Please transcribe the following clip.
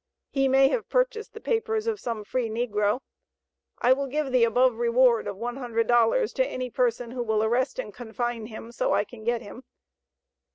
He may have purchased the papers of some free negro. I will give the above reward of One Hundred Dollars to any person who will arrest and confine him, so I can get him.